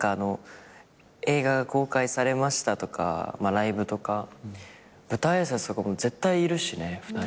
映画が公開されましたとかライブとか舞台挨拶とか絶対いるしね２人。